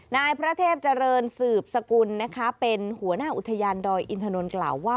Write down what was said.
นายพระเทพเจริญสืบสกุลนะคะเป็นหัวหน้าอุทยานดอยอินทนนทกล่าวว่า